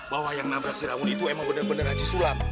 bahwa yang nabrak si raun itu emang bener bener haji sulam